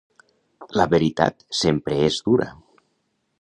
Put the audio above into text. La veritat sempre és dura.